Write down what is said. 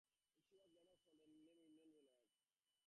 She was later sold and renamed Union Reliance.